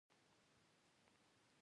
وايي بهلول د سلطان محمود غزنوي ورور و.